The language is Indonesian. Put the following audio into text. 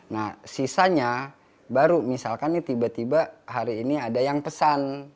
nah sisanya baru misalkan nih tiba tiba hari ini ada yang pesan